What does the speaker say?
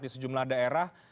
di sejumlah daerah